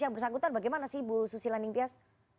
yang bersangkutan bagaimana sih bu susi leningpias